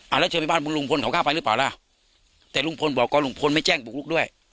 แล้วเธอไปบ้านลุงพลเขาเข้าไปหรือเปล่าล่ะแต่ลุงพลบอกว่าลุงพลไม่แจ้งบุกลุกด้วย